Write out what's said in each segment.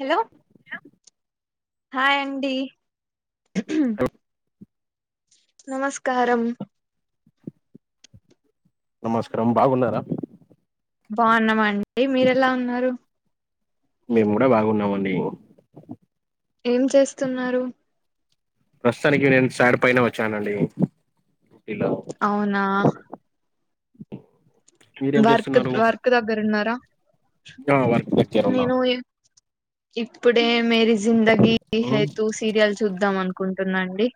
Hello hi అండి hello నమస్కారం నమస్కారం బాగున్నారా బాగున్నామండి మీరెలా ఉన్నారు మేము కూడా బాగున్నామండి ఏం చేస్తున్నారు ప్రస్తుతానికి నేను సార్ పైన వచ్చానండిలో అవునా మీరేం వర్క్ చేస్తున్నారు వర్క్ దగ్గర ఉన్నారా ఆ వర్క్ దగ్గర ఉన్నా నేను ఇప్పుడే మరి జిందగీ ఉమ్, హైతు సీరియల్ చూద్దాం అనుకు నుకుంటున్నాండి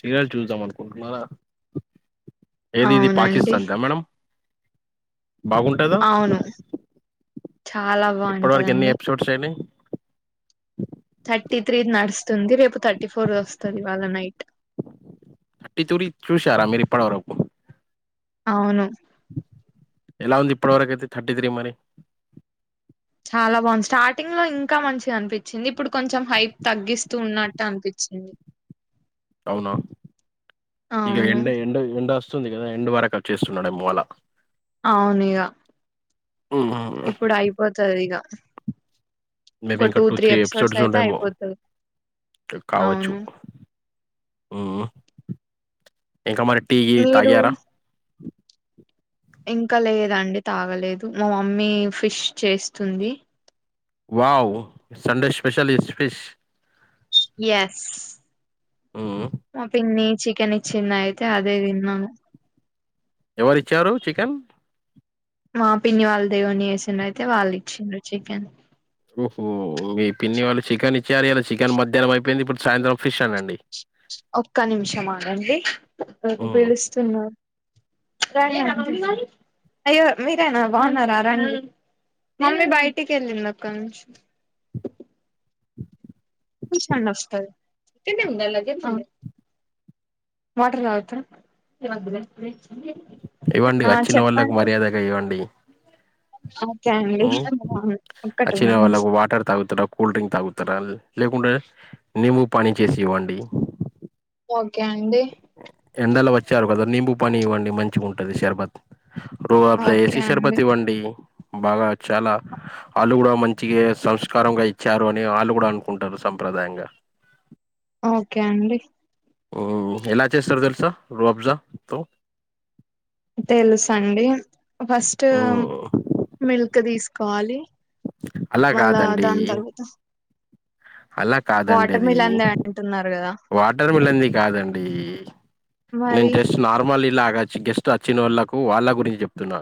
సీరియల్ చూద్దాం అనుకుంటున్నారా ఏది ఇది అవునండి పాకిస్తాన్ ద మేడం బాగుంటాదా అవును చాలా ఇప్పడు వరకు ఎన్ని బాగుంటదండి ఎపిసోడ్స్యిడి థర్టీ త్రీ నడుస్తుంది రేపు థర్టీ ఫోర్ వస్తుంది ఇవ్వాళ నైట్ తట్టి తూరి చూశారా మీరి ఇప్పటి వరకు అవును ఎలా ఉంది ఇప్పుటి వరకు అైతే థర్టీ త్రీ మరి చాలా బాగుంది స్టార్టింగ్ లో ఇంకా మంచిగా అనిపించింది ఇప్పుడు కొంచెం హైప్ తగ్గిస్తూ ఉన్నట్టు అనిపించింది స అవునా ఇక అవును ఎండ ఎండ ఎండ వస్తుంది ఏదా ఎండు వరకు చేస్తున్నాడే మూలా అవునుఇగ ఇప్పుడు అయిపోతుంది ఇగ ఇంకో టూ త్రీ ఎపిసోడ్స్ అయితే అయిపోతుది కావచ్చు అవును ఉమ్ ఎంకా మరి టీ మీరు తాగియారా ఇంకా లేదండి తాగలేదు మా మమ్మీ ఫిష్ చేస్తుంది wow Sunday special is fish yes hmm. మా పిన్ని చికెన్ ఇచ్చింద అయితే అదే తిన్నాం ఎవరిచ్చారు చికెన్ మా పిన్ని వాళ్ళ దేవని వేసిండ్ర అయితే వాళ్ళు ఇచ్చిండ్రు చికెన్ ఓహోహ మీ పిన్ని వాళ్ళు చికెన్ ఇచ్చారు ఇలా చికెన్ మధ్యాహ్నం అయిపోయింది ఇప్పుడు సాయంత్రం ఫిష్ అనండి ఒక్క నిమిషమానండి హ్మ్. పిలుస్తున్నారు రాణ అయ్యో మీరేనా బాగున్నారా రాణి మమ్మీ బయటికి వెళ్ళంది అక్క నుంచి విషాల వస్త ఇది ఉందలాగే త వాటర్ తగ్గుతారు ఇవ్వండి వచ్చిన వాళ్ళకి మర్యాదగా ఇవ్వండి స అ వచ్చిన మినిట్స్ వాళ్ళకు వాటర్ తాగుతారా కూల్ డ్రింక్ తాగుతారా లేకుండా నేము పని చేసి ఇవ్వండి ఓకే అండి ఎండలు వచ్చారు కదా నింబ పని ఇవ్వండి మంచిగా ఉంటుంది షర్బత్ రూబ్ ఓకే సర్భత్ అండి ఇవండీ బాగా చాలా వాళ్ళు కూడా మంచిగా సంస్కారంగా ఇచ్చారు అని వాళ్ళు కూడా అనుకుంటారు సంప్రదాయ దాంగా ఓకే అండి ఎలా చేస్తారు తెలుసా రూ అబ్జా తో తెలుస అండి ఫస్ట్ మ్మ్ మిల్క్ తీసుకోవాలి అలా మళ్ళా కాదండి దాని తర్వాత అలా కాదండి వాటర్ అది మిలన్ దే అంటున్నారు కదా వాటర్ మిలన్ది కాదండి నేను మరి జస్ట్ నార్మల్ ఇలా గెస్ట్ వచ్చిన వాళ్ళకు వాళ్ళ గురించి చెప్తున్నా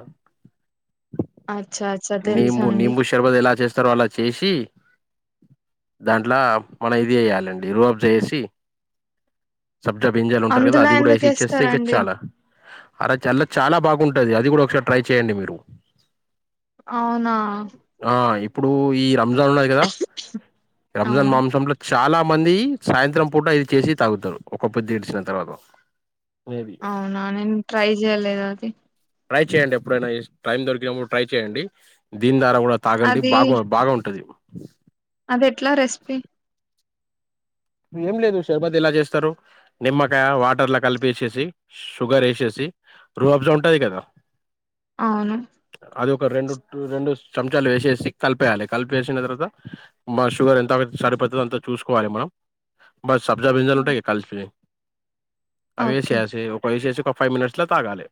అవు నింబు నింబు శషర్బతు ఎలా చేస్తారో అలా చేసి దాంట్లో మనం ఇది వయ్యాలండి రుఆబ్ చేసి సబ్జా బింజాలు ఉంటారు కదా అందులో అది కూడా ఎందుకు వేసి ఇచ్చేస్తే ఇంకా ఏస్తారండి చాలా అలా చాలా బాగుంట ది అది కూడా ఒకసారి ట్రై చేయండి మీరు అవునా ఆ ఇప్పుడు ఈ రంజాన్ ఉన్నది కదా రంజాన్ అవును మాంసంలో చాలా కొ మంది సాయంత్రం పూట ఇది చేసి తాగుతారు ఒక పెద్ది ఏడ్చిన తర్వాత మేబి అవునా నేను ట్రై చేయలేదు అది ట్రై చేయండి ఎప్పుడైనా టైం దొరికినప్పుడు ట్రై చేయండి దీన్ని న్నేర కూడా తాగండి అది బాగా బాగా ఉంటది అది ఎట్లా రెసిపీ ఏం లేదు షర్బత్ ఇలా చేస్తారు నిమ్మకాయ వాటర్లా కలిపి వేసేసి షుగర్ వేసేసి రోబ్జా ఉంటాది కదా అవును అది ఒక రెండు రెండు చంచాలు వేసేసి కలిపేయాలి కలిపేసిన తర్వాత మా షుగర్ ఎంత సరిపోడుతుంది అంతా చూసుకోవాలి మనం బస్ సబ్జా వ్యంజన టాకి కాలచిననే అ ఓకే ఎసేసి ఒక ఎసే క ఫైవ్ మినిట్స్లో తాగాలి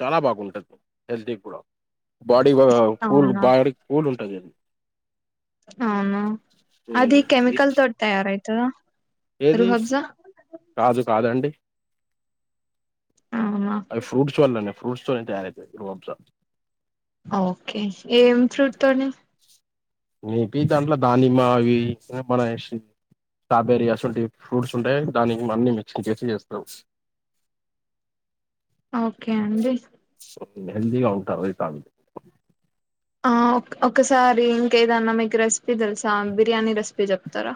చాలా బాగుంటుంది హెల్తీ కూడా బాడీ కూల్ అవునా బాడీ కూల్ ఉంటుంది అది అవును అది కెమికల్ తోటి తయారవుతుందా ఏది కాదు కాదండి అవునా అవి ఫ్రూట్స్ వాళ్ళ ఫ్రూట్స్తో త అసా ఓకే ఏం ఫ్రూట్ తోని నపి దాంట్లో దానిమ్మా అవి మన స్ట్రాబెరీ ఫ్రూట్స్ ఉంటాయి దానికి అన్ని మిక్స్ చేసి చేస్తాం ఓకే అండి హెల్దీగా ఉంటారు. అది తాగుతే. ఆ, ఒక్ ఒకసారి ఇంకేదన్నా మీకు రెసిపీ తెలుసా? బిర్యానీ రెసిపీ చెప్తారా?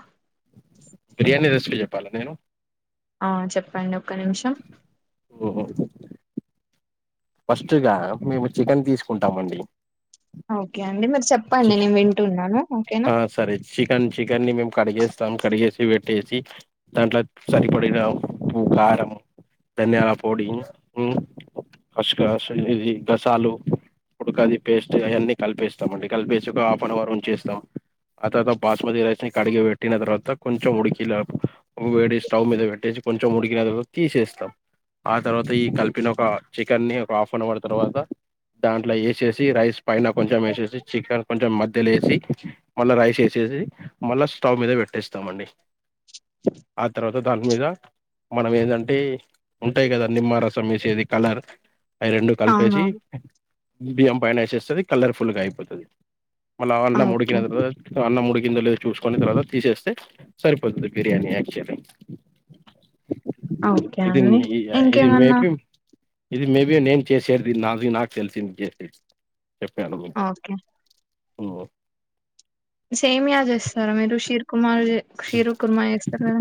బిర్యానీ రెసిపీ చెప్పాలా నేను? ఆ, చెప్పండి. ఒక్క నిమిషం. ఫస్ట్‌గా, మేము చికెన్ తీసుకుంటామండి. ఆ, ఓకే అండి. మరి చికెన్. ఆ, సరే. చికెన్ చికెన్‌ని మేము కడిగేస్తాం. కడిగేసి, వెట్ టేస్టీ. దాంట్లో సరిపడిన ఉప్పు, కారం. ధాన్యం పొడి, ఉమ్. ఖస్‌ఖస్ ఇది గసాలు ఉడకవు. పేస్ట్ అయాన్నీ కలిపేస్తామండి. కలిపేసి, ఒక హాఫ్ అన్ అవర్ ఉంచేస్తాం. అ తర్వాత్ బాస్మతి రైస్ ని కడిగి పెట్టిన తర్వాత, కొంచెం ఉడికిలా. వేడి స్టవ్ మీద పెట్టేసి, కొంచెం ఉడికినా తర్వాత తీసేస్తాం. ఆ తర్వాత, ఈ కలిపిన ఒక చికెన్‌ని ఒక హాఫ్ అన్ అవర్ తర్వాత. దాంట్ల వేసేసి, రైస్ పైన కొంచెం వేసేసి. చికెన్ కొంచెం మధ్యలో వేసి, మళ్లీ రైస్ వేసేసి, మళ్ళా స్టవ్ మీద పెట్టేస్తామండి. ఆ తర్వాత, దానిమీద. మనం ఏదంటే, ఉంటాయి కదా నిమ్మరసం వేసేది, కలర్. ఆఇ రెండు కలిపేసి, అవునవును బియ్యం పైన వేసేస్తాం. కలర్‌ఫుల్‌గా అయిపోతది. మళ్ల, అన్నం ఓకే ముడికినదా, అన్నం ఉడికిన ఇందులోవి చూసుకొని, తర్వాత తీసేస్తే సరిపోతుంది. బిర్యానీ యాక్చువల్లీ. ఓకే ఇది అండి నీయ, ఇది ఇంకేమన్నా మేపిన్. ఇది మేబి నేను చేసేడిది. ఇది నాది. నాకు తెలిసింది చేసేది చెప్పాను మీకు. ఓకే ఉమ్ సేమియా చేస్తారా మీరు షీర్‌కు? ఉమ్, అలే. క్షీరు కుర్మ జేస్తారు.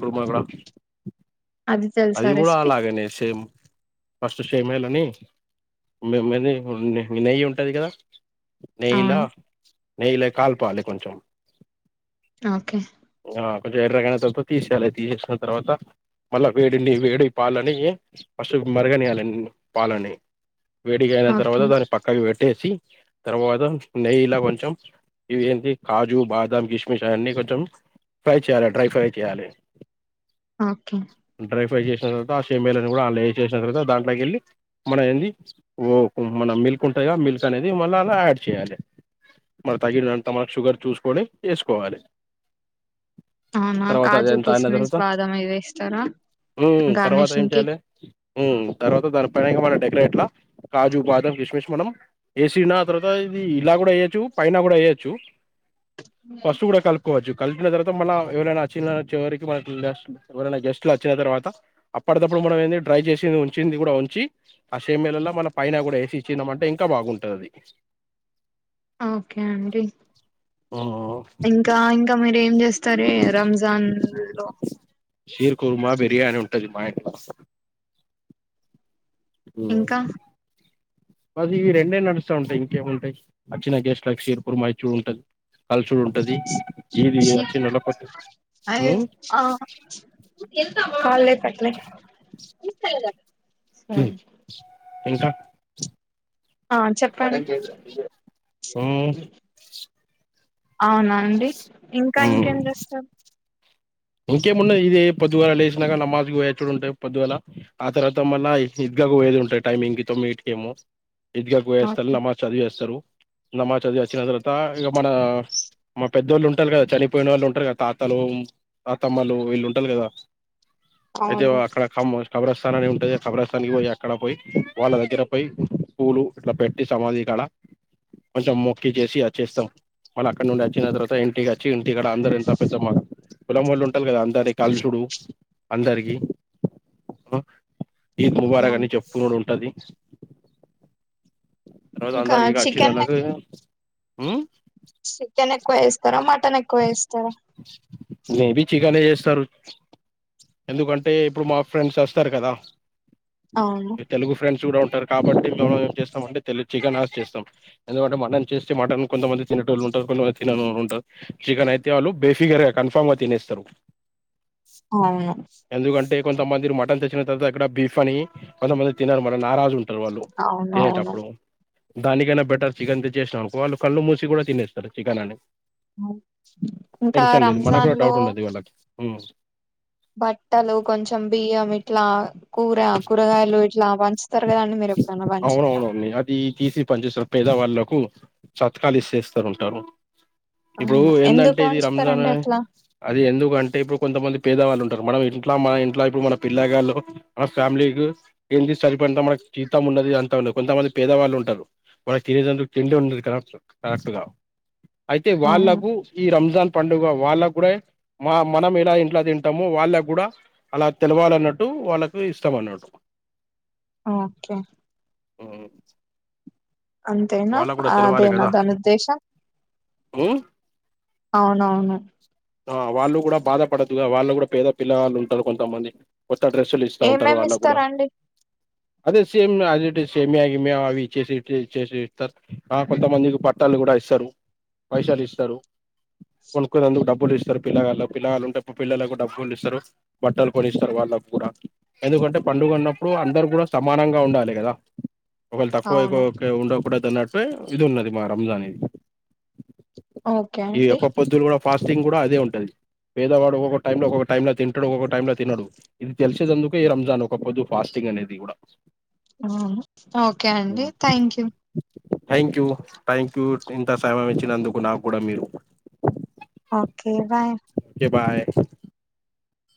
కుర్మ గూడ. తెలుసా అది గూడా రెసిపీ లాగానే సేమ్. పేమేలు అని, మేమది నెయ్యి ఉంటది కదా. నెయ్యలా, అవును నెయ్యలా కల్ పాలి కొంచం. ఓకే. ఆ కొంచెం ఎర్రగైనా, తవత్ తీసేయాలి. తీసేసిన తర్వాత మళ్లా వేడిని వేడి పాలని ఫస్ట్ మరగనియాలే, పాలని. వేడి గా అయిన తర్వాత, ఓకే దాన్ని పక్కకి పెట్టేసి. తర్వాత నెయ్యిలా కొంచెం, ఇవి ఏంటి కాజు, బాదం, కిష్మిష్, అయన్నీ కొంచెం. ఫై చేయాల, డ్రై ఫ్రై చేయాలే, ఓకే డ్రై ఫ్రై చేసిన తర్వాత, ఆ సేమియాలను గూడ ఆళ్ల వేసేసిన తర్వాత, దాంట్ల కేళ్ళి మన ఏంది ఓ మన మిల్క్ ఉంటాది. ఇగ, మిల్క్ అనేది మళ్ల అల్లా యాడ్ చేయాలి. మనక్ తగినంత మనక్ షుగర్, చూసుకొని వేసుకోవాలి. అవునా! తర్వాత అది కాజు, ఎంత అయిన కిస్మిస్, తర్వాత బాదం, అవి వేస్తారా? మ్మ్, తర్వాత ఏం గార్నిషింగ్ కి చేయాలే, తర్వాత దాని పైనగా డెకరేట్లా. కాజు, బాదం, కిస్మిస్ మనం. ఏసీనా ఆ తర్వాత ఇది ఇలా కూడా వేయ్యొచ్చు, పైన కూడా వేయ్యొచ్చు. ఫస్ట్ గూడ కలుపుకోవచ్చు. వచ్చిన తర్వాత మళ్ల ఎవరైనా అచ్చిన చివరికి మన ఎవరైనా గెస్ట్లు వచ్చిన తర్వాత, అప్పటిదప్పుడు మనం. డ్రై చేసింది ఉంచింది కూడా ఉంచి, ఆ సేమియాలల మనం పైన కూడా వేసి ఇచ్చినమంటే, ఇంకా బాగుంటది అది. ఆ, ఓకే అండి. ఆ ఇంకా ఇంకా, మీరూ? ఏం జేస్తారే రంజాన్ లో? షీర్ కుర్మా బిర్యానీ ఉంటది. మా ఇంట్లో. ఇంకా పురావాస్తు అది ఈ రెండే నడుస్తా ఉంటాయి ఇంకేముంటాయి అచ్చిన గెస్ట్ లకు క్షీర్పూర్ మాయ్ చూ ఉంటది కలుచుడు ఉంటది ఇది వచ్చినోళ్ల పట్ ఉ వు కెళ్ళతామా హాలిడేస్ వచ్చినాయి వు కెల్లలే ఉ ఇంకా ఆ చెప్పండి ఉమ్, అవునా అండి ఇంకా ఇంకేం చేస్తారు ఇంకేమున్నాది ఇదే పొద్దుగాల లేసినాక నమాజ్ పోయవచ్చుడు ఉంటాయి పొద్దుగాల ఆ తర్వాత మల్ల ఇగ ఎలాగో పోయేది ఉంటాయి టైమ్ ఇంగ్ తొమ్మిదింటికి ఏమో ఈదు గా పోయి వస్తారు ఓకే నమాజ్ చదివివేస్తారు నమాజ్ చదివి వచ్చిన తరువాత ఇగ మన మా పెద్దవోళ్ళు ఉంటారు కదా చనిపోయిన వాళ్ళు ఉంటారు కదా తాతలు తాతమ్మలు వీళ్ళు ఉంటారు కదా అయితే అవును అక్కడ కమ్ స్టబరస్ తననే ఉంటది ఖబరాస్థానికి పోయి ఎక్కడ పోయి వాళ్ళ దగ్గర పోయి పూలు ఇట్లా పెట్టి సమాధి కాడ కొంచెం మొక్కి చేసి వచ్చేస్తాం వాళ్ళు అక్కడ నుండి వచ్చిన తర్వాత ఇంటికి వచ్చి టి గడ అందరు ఎంత పెద్దమ్మ పెల్లం ముళ్ళు ఉంటారు కదా అందరి కాలుచుడు అందరికి ఈ దుబాడా అవును అని చెప్పుకుడు ఉంటది రోజు ఇంకా అందరికి చికెన్ వచ్చినోలకు ఇగ చికెన్ ఎక్కువ వేస్తారా మటన్ ఎక్కువ వేస్తారా మే బి చికెనే వేస్తారు ఎందుకంటే ఇప్పుడు మా ఫ్రెండ్స్ వస్తారు కదా అవును తెలుగు ఫ్రెండ్స్ కూడా ఉంటారు కాబట్టి మేముం ఏం చేస్తామంటే తెలి చికెన్ ఆస్ చేస్తాం ఎందుకంటే మటన్ చేస్తే మటన్ కొంతమంది తినేటోళ్లు ఉంటారు కొనువా తిననోళ్లు ఉంటారు చికెన్ అయితే వాళ్ళు బేఫిగర్ గా కన్ఫామ్ గా తినేస్తారు అవును ఎందుకంటే కొంతమంది మటన్ తెచ్చిన తర్వాత ఇక్కడ బీఫ్ అని కొంతమంది తినరు మన నారాజులు తాలు వాళ్ళు అవునవును తినేటప్పుడు దానికైనా బెటర్ చికెన్ తెచ్చసినాం అనుకో వాళ్ళు కళ్ళు మూసి కూడా తినేస్తారు చికెన్ అని ఇంకా టెన్షన్ లేదు మన రంజాన్ కూడా లో డౌట్ ఉండది వాళ్ళకు ఉ బట్టలు కొంచెం బియ్యం ఇట్లా కూర కూరగాయలు ఇట్ అవునవును అండి అది తీసి పనిచేస్తారు పేదవా లకు చతకాలు ఇసేస్తారు ఉంటారు ఇప్పుడు అవును ఎందంటే ఎందుకు ఇది రంజాన్ ఉంచుతారండి అట్లా అది ఎందుకంటే ఇప్పుడు కొంతమంది పేదవాళ్ళు ఉంటారు మనం ఇంట్ల మన ఇంట్ల ఇప్పుడు మన పిల్ల గళ్ళు మన ఫ్యామిలీ ఇన్ దిస్ సరిపోయినంత మనకి జీతం ఉన్నది అంతా ఉన్నది కొంతమంది పేదవాళ్ళు ఉంటారు వాళ్ళ కి తినేదందుకు తిండి ఉండదు కావచ్చు కరెక్ట్గా అయితే అవును వాళ్ళలకు ఈ రంజాన్ పండుగ వాళ్ళకు మా మనం ఎలా ఇంట్లా తింటామో వాళ్ళకు కూడా అలా తెలవాలన్నట్టు వాళ్ళకు ఇష్టం కొన్నడు ఓకే ఆ అంతేనా అదేనా దాని ఉద్దేషా ఉ అవునవును ఆ వాళ్ళు కూడా బాధపడదుగా వాళ్ళు కూడా పేద పిల్లవాళ్ళు ఉంటారు కొంతమంది కొత్త డ్రెస్సులు ఇస్తా ఉంటారు ఏమేమి వాళ్ళకు కూడా ఇస్తారండి అదే సేమ్ అది ఇటు సేమియా గీమియా అవి ఇచ్చేసి ఇటు ఇచ్చేసి ఆ కొంతమందికి బట్టలు కూడా ఇస్తారు పైసాలు ఇస్తారు కొనుకునేందుకు డబ్బులు ఇస్తారు పిల్లగాళ్ళ పిల్లగాళ్ళు ఉంటే పిల్లలకు డబ్బులు ఇస్తారు బట్టలు కొని ఇస్తారు వాళ్ళు డాకూడా ఎందుకంటే పండుగ ఉన్నప్పుడు అందరు కూడా సమానంగా ఉండాలి కదా ఒకవేళ తక్కువ ఎక్కువ అవును కే ఉండకూడదు అన్నట్టే ఇది ఉన్నది మా రంజాన్ ఇది ఓకే ఈ అండి ఒక్క పొద్దులు కూడా ఫాస్టింగ్ కూడా అదే ఉంటది పేదవాడు ఒకక్క టై లో ఒకొక్క టై లో తింటడు ఒక్కొక్క టై లో తినడు ఇది తెలిసేందుకు ఈ రంజాన్ ఒక్క పొద్దు పాస్టింగ్ అనేది కూడా ఓకే అండి thank you thank you thank you ఇంత సమయం ఇచ్చినందుకు నాకు కూడా మీరు ఓకే బాయ్ ఒకే బాయ్